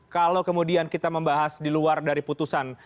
kalau kemudian kita membahas di luar dari putusan